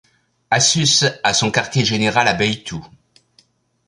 Asus a son quartier-général à Beitou.